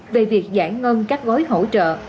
về việc giãn ngân các gói hỗ trợ